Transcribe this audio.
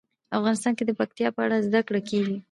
افغانستان کې د پکتیا په اړه زده کړه کېږي.